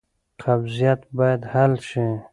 قبضیت باید حل شي.